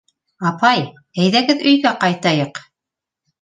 — Апай, әйҙәгеҙ өйгә ҡайтайыҡ.